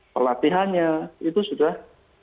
pelatihannya itu sudah